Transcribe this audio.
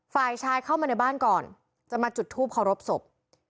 ฝ่ายชายเข้ามาในบ้านก่อนจะมาจุดทูปเคารพศพ